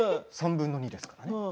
３分の２ですからね。